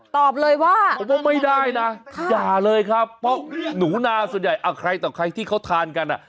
ตอบเลยว่าผมว่าไม่ได้นะอย่าเลยครับเพราะหนูนาส่วนใหญ่ใครต่อใครที่เขาทานกันอ่ะ